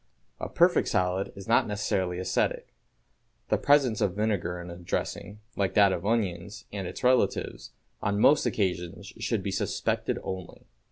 A perfect salad is not necessarily acetic. The presence of vinegar in a dressing, like that of onions and its relatives, on most occasions should be suspected only.